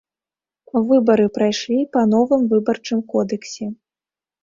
Выбары прайшлі па новым выбарчым кодэксе.